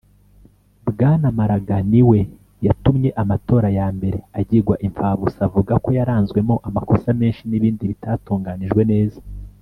Bwana Maraga niwe yatumye amatora ya mbere agigwa impfagusa avuga ko yaranzwemwo amakosa menshi n’ibindi bitatunganijwe neza